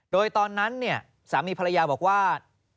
โดยตอนนั้นเนี่ยสามีภรรยาบอกว่า